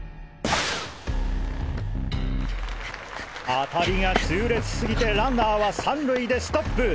当たりが痛烈すぎてランナーは３塁でストップ！